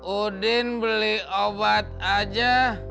udin beli obat aja